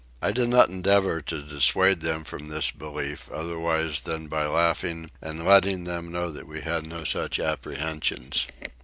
I did not endeavour to dissuade them from this belief otherwise than by laughing and letting them know that we had no such apprehensions.